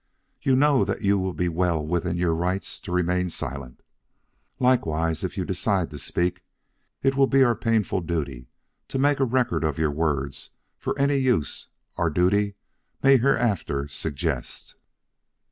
You know that you will be well within your rights to remain silent. Likewise that if you decide to speak, it will be our painful duty to make record of your words for any use our duty may hereafter suggest."